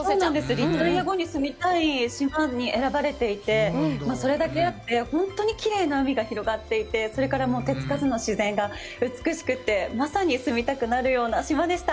リタイア後に住みたい島に選ばれていて、それだけあって、本当にきれいな海が広がっていて、それから手つかずの自然が美しくて、まさに住みたくなるような島でした。